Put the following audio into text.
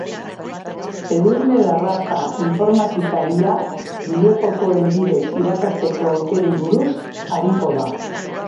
Edurne Larraza informatikaria bideojokoen bidez irakasteko aukerei buruz ariko da